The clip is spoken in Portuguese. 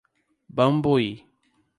Bambuí